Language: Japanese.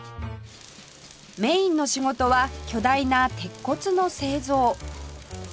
メインの仕事は巨大な鉄骨の製造